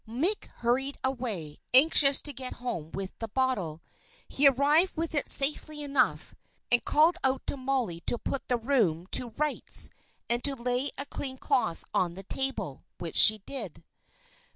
Mick hurried away, anxious to get home with the bottle. He arrived with it safely enough, and called out to Molly to put the room to rights; and to lay a clean cloth on the table. Which she did.